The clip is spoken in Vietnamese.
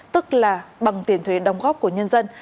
tức là bằng tiền thuế đóng góp của nhân dân